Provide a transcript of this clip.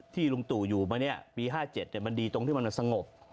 ที่ลุงตุอยู่มานี่ปี๕๗มันดีตรงที่มันมันสงบ